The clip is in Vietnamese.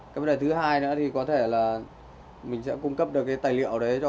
cái vấn đề thứ hai nữa thì có thể là mình sẽ cung cấp được cái tài liệu đấy cho